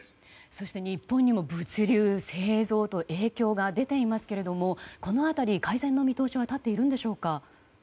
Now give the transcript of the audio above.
そして日本にも物流、製造と影響が出ていますけれどもこの辺り、改善の見通しは立っているのでしょうか。